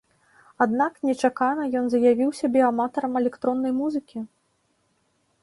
Аднак нечакана ён заявіў сябе аматарам электроннай музыкі.